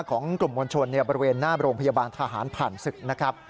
ของกลุ่มมวลชนบริเวณหน้าโรงพยาบาลทหารผ่านศึกนะครับ